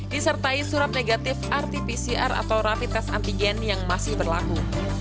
disertai surat negatif rt pcr atau rapi tes antigen yang masih berlaku